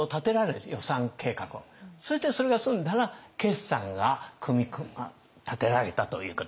そしてそれが済んだら決算が立てられたということですね。